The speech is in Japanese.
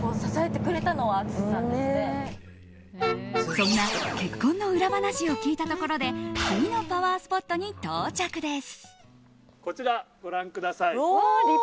そんな結婚の裏話を聞いたところで次のパワースポットに到着です。